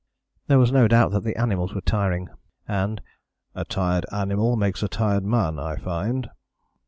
" There was no doubt that the animals were tiring, and "a tired animal makes a tired man, I find."